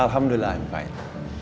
alhamdulillah aku baik